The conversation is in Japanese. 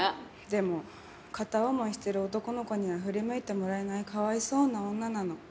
でも片思いしてる男の子には振り向いてもらえないかわいそうな女なの。